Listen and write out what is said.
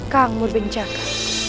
kang mur bin jaga